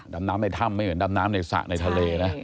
ดำน้ำในถ้ำไม่เหมือนดำน้ำในสระในทะเลนะ